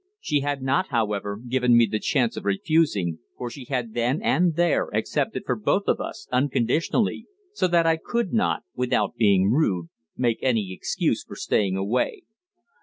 She had not, however, given me the chance of refusing, for she had then and there accepted for both of us unconditionally, so that I could not, without being rude, make any excuse for staying away.